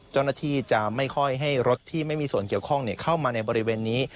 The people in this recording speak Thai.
เจ้าหน้าที่จะไม่ค่อยให้รถที่ไม่มีส่วนเกี่ยวข้องเข้ามาในบริเวณนี้